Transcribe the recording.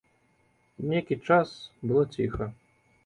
Нейкі час было ціха.